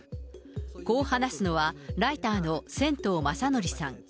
こう話すのは、ライターの仙頭まさのりさん。